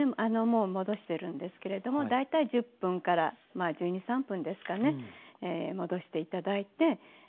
もう戻してるんですけれども大体１０分から１２１３分ですかね戻して頂いて。